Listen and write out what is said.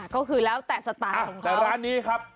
ก็คือแล้วแต่สไตล์ของเขา